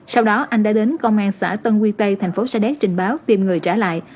sau đó anh đã đến công an xã tân quy tây thành phố sa đéc trình báo tìm người trả lại